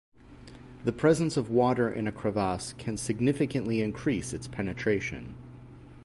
The presence of water in a crevasse can significantly increase its penetration.